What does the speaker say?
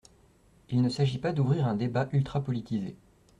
Il ne s’agit pas d’ouvrir un débat ultra-politisé.